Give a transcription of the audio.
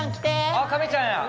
あっ亀ちゃんや。